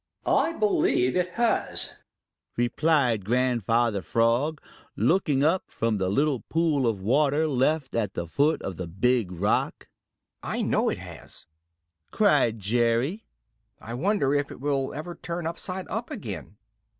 "I believe it has," replied Grandfather Frog, looking up from the little pool of water left at the foot of the Big Rock. "I know it has!" cried Jerry. "I wonder if it will ever turn upside up again."